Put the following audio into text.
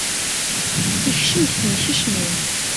Yekcem deg temkecmin.